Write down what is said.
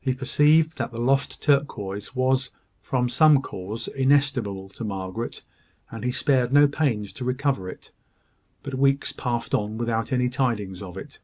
He perceived that the lost turquoise was, from some cause, inestimable to Margaret, and he spared no pains to recover it: but weeks passed on without any tidings of it.